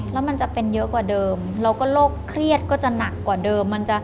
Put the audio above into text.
แล้วมันจะเป็นเยอะกว่าเดิมแล้วก็โรคเครียดก็จะหนักกว่าเดิม